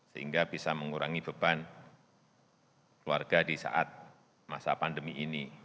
sehingga bisa mengurangi beban keluarga di saat masa pandemi ini